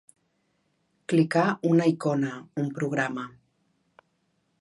Clicar una icona, un programa.